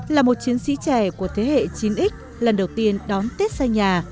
là một chiến sĩ trẻ của thế hệ chín x lần đầu tiên đón tết xay nhà